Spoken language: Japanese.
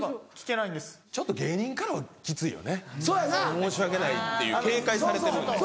申し訳ないっていう警戒されてるので。